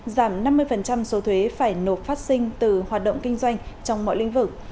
giảm năm mươi số thuế phải nộp phát sinh từ hoạt động kinh doanh trong mọi lĩnh vực